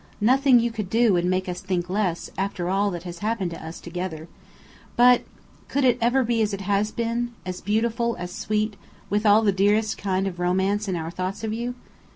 Nothing you could do would make us think less, after all that has happened to us, together. But could it ever be as it has been as beautiful, as sweet, with all the dearest kind of romance in our thoughts of you?